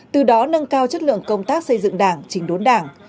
từ đó nâng cao chất lượng công tác xây dựng đảng trình đốn đảng